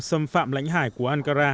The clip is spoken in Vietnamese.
xâm phạm lãnh hải của ankara